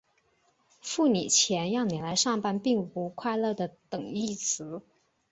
付你钱让你来上班并不快乐的等义词。